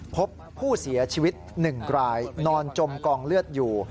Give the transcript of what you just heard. พบผู้เสียชีวิต๑รายนอนจมกองเลือดอยู่